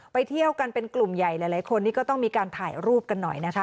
เที่ยวกันเป็นกลุ่มใหญ่หลายคนนี่ก็ต้องมีการถ่ายรูปกันหน่อยนะคะ